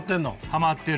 ハマってる！